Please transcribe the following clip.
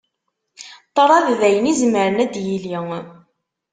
Ṭṭraḍ d ayen izemren ad d-yili.